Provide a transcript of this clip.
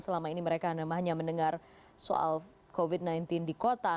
selama ini mereka namanya mendengar soal covid sembilan belas di kota